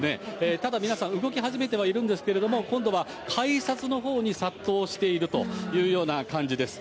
ただ皆さん、動き始めてはいるんですけれども、今度は改札のほうに殺到しているというような感じです。